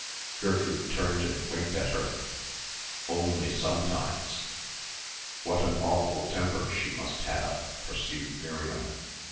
Gertrude turned and winked at her. "Only sometimes." "What an awful temper she must have," pursued Miriam.